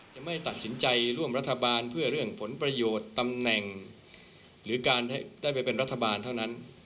จะไม่ตัดสินใจร่วมรัฐบาลเพื่อเรื่องผลประโยชน์ตำแหน่งหรือการได้ไปเป็นรัฐบาลเท่านั้น